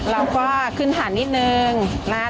เราก็ขึ้นหันนิดนึงนะ